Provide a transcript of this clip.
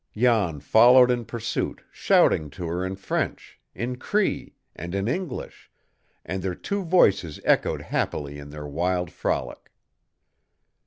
Jan followed in pursuit, shouting to her in French, in Cree, and in English, and their two voices echoed happily in their wild frolic.